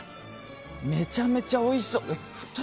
めちゃくちゃおいしそう。